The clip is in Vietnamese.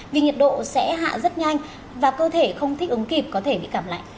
vì nhiệt độ sẽ hạ rất nhanh và cơ thể không thích ứng kịp có thể bị cảm lạnh